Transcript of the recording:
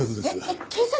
えっ警察！？